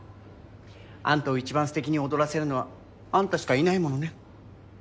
あんたを一番すてきに踊らせるのはあんたしかいないものね。